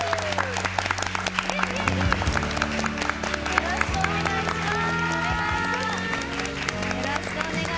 よろしくお願いします。